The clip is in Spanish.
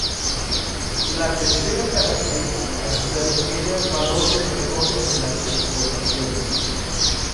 La tercera característica se refiere al valor de retorno de las exportaciones.